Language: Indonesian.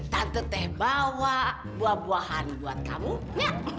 tante t bawa buah buahan buat kamu ya